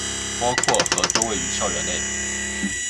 包括和都位于校园内。